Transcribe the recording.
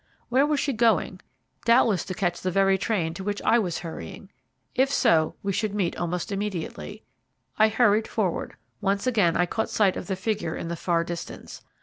Where was she going? Doubtless to catch the very train to which I was hurrying. If so, we should meet almost immediately. I hurried forward. Once again I caught sight of the figure in the far distance.